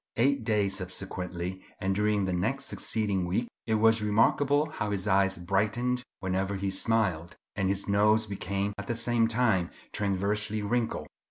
Eight days subsequently and during the next succeeding week, it was remarkable how his eyes brightened whenever he smiled, and his nose became at the same time transversely wrinkled.